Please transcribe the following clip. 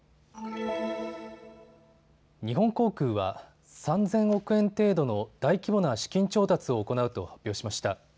日本航空は３０００億円程度の大規模な資金調達を行うと発表しました。